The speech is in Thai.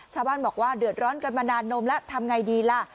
ชาวบ้านบอกว่าเดือดร้อนกันมานานนมแล้วทำไงดีล่ะ